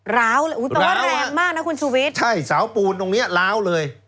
ร้าวเลยอุ้ยแต่ว่าแรงมากนะคุณชูวิทย์ใช่เสาปูนตรงเนี้ยล้าวเลย